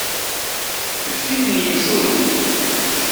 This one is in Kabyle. D tin n yemcumen.